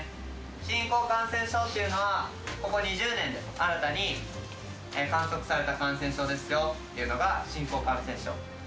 新興感染症っていうのは、ここ２０年で新たに観測された感染症ですよっていうのが、新興感染症。